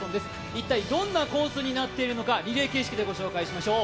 一体どんなコースになっているのか、リレー形式でご紹介しましょう。